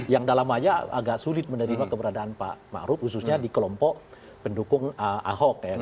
yang dalam saja agak sulit menerima keberadaan pak maruf khususnya di kelompok pendukung ahok